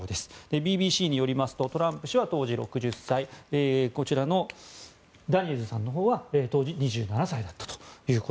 ＢＢＣによりますとトランプ氏は当時６０歳こちらのダニエルズさんのほうは当時２７歳だったと。